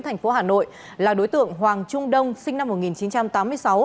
thành phố hà nội là đối tượng hoàng trung đông sinh năm một nghìn chín trăm tám mươi sáu